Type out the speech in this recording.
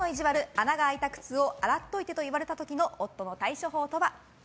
穴が開いた靴を洗っといてと言われた時の夫の対処法とは？